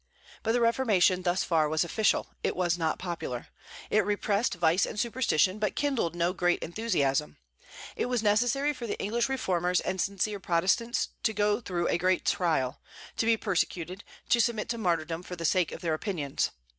But the Reformation thus far was official; it was not popular. It repressed vice and superstition, but kindled no great enthusiasm. It was necessary for the English reformers and sincere Protestants to go through a great trial; to be persecuted, to submit to martyrdom for the sake of their opinions.